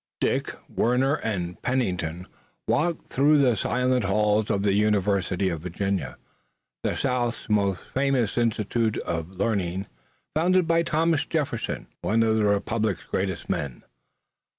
Dick, Warner and Pennington walked through the silent halls of the University of Virginia, the South's most famous institution of learning, founded by Thomas Jefferson, one of the republic's greatest men.